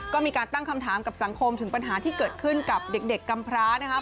ก็มีการตั้งคำถามกับสังคมถึงปัญหาที่เกิดขึ้นกับเด็กกำพร้านะครับ